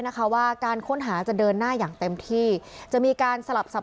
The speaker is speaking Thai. นะคะว่าการค้นหาจะเดินหน้าอย่างเต็มที่จะมีการสลับสับ